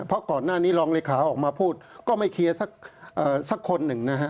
เพราะก่อนหน้านี้รองเลขาออกมาพูดก็ไม่เคลียร์สักคนหนึ่งนะฮะ